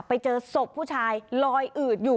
ไปเจอศพผู้ชายลอยอืดอยู่